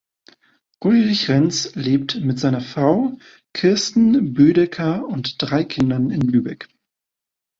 Ulrich Renz lebt mit seiner Frau Kirsten Bödeker und drei Kindern in Lübeck.